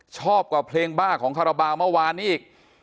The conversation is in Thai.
ชอบกว่าเพลงบ้าของคาราบาลเมื่อวานนี้อีก